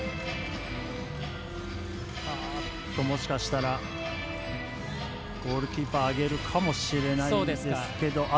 もしかしたらゴールキーパー上げるかもしれないですけど。